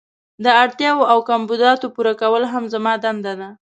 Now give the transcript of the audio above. د اړتیاوو او کمبوداتو پوره کول هم زما دنده ده.